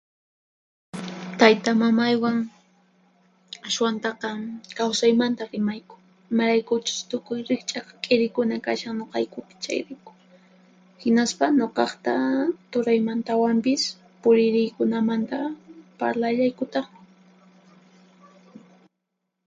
Taytamamaywan ashwantaqa kawsaymanta rimayku, imaraykuchus tukuy riqch'aq k'irikuna kashan nuqaykupi, chayrayku. Hinaspa nuqaqta turaymantawanpis puririykunamanta parlallaykutaqmi.